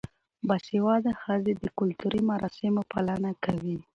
باسواده ښځې د کلتوري مراسمو پالنه کوي.